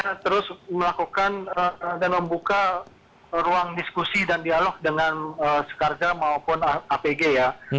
kita terus melakukan dan membuka ruang diskusi dan dialog dengan sekarja maupun apg ya